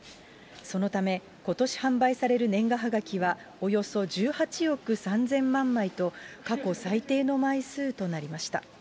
そのため、ことし販売される年賀はがきはおよそ１８億３０００万枚と、過去最低の枚数となりました。